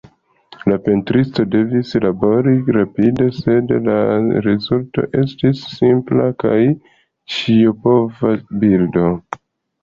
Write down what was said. La pentristo devis labori rapide, sed la rezulto estis simpla kaj ĉiopova bildo.